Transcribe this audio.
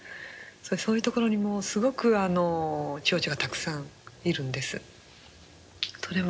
そういうところにすごく蝶々がたくさんいるんです。